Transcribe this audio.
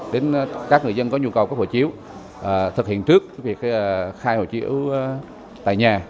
đến các người dân có nhu cầu cấp hộ chiếu thực hiện trước việc khai hồ chiếu tại nhà